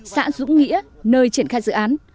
xã dũng nghĩa nơi triển khai dự án